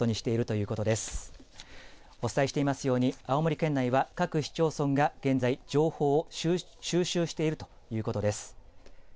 お伝えしていますように青森県内は各市町村が現在、情報を収集しているということです。